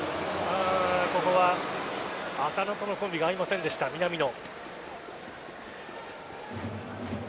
ここは浅野とのコンビが合いませんでした南野。